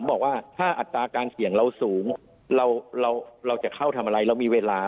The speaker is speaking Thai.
บอกว่าถ้าอัตราการเสี่ยงเราสูงเราจะเข้าทำอะไรเรามีเวลา